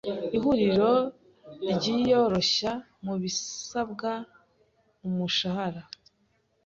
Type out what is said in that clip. Ihuriro ryiyoroshya mubisabwa umushahara.